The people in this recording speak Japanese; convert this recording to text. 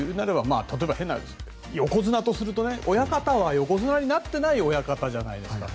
例えば、横綱とすると親方は横綱になっていない親方じゃないですか。